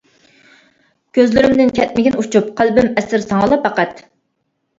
كۆزلىرىمدىن كەتمىگىن ئۇچۇپ، قەلبىم ئەسىر ساڭىلا پەقەت.